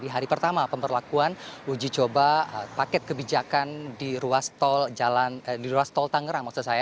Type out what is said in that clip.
hari pertama pemberlakuan uji coba paket kebijakan di ruas tol tangerang maksud saya